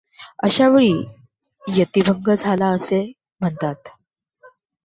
अशा वेळी यतिभंग झाला असे म्हणतात.